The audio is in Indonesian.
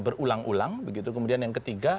berulang ulang begitu kemudian yang ketiga